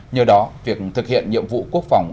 nhờ đó việc thực hiện nhiệm vụ quốc phòng